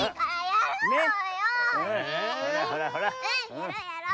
やろうやろう。